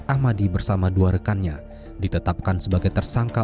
ahmadi bersama dua rekannya ditetapkan sebagai tersangka